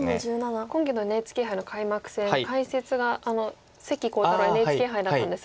今期のＮＨＫ杯の開幕戦解説が関航太郎ＮＨＫ杯だったんですが。